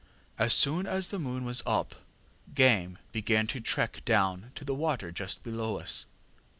As soon as the moon was up game began to trek down to the water just below us.